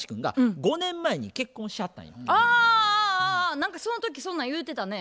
何かその時そんなん言うてたね。